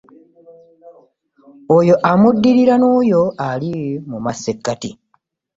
Oyo amuddirira n'oyo ali mu masekkati